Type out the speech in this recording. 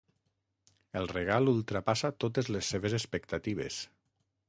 El regal ultrapassa totes les seves expectatives.